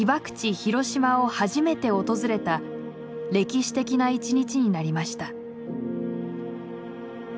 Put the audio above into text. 広島を初めて訪れた歴史的な一日になりました。